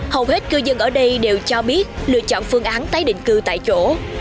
hầu hết cư dân ở đây đều cho biết lựa chọn phương án tái định cư tại chỗ